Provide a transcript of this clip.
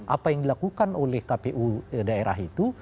apa yang dilakukan oleh kpu daerah itu